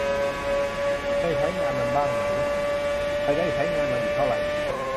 เคยใช้งานมันบ้างไหม จะได้ใช้งานมันอีกเท่าไร